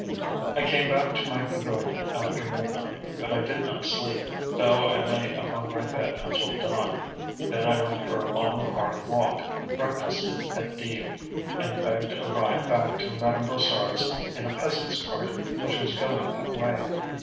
I came back to my pavilion after midnight, but I did not sleep, though I lay upon my bed until dawn. Then I went for a long, hard walk, breakfasted at Dives, and begged a ride back to Madame Brossard's in a peasant's cart which was going that way.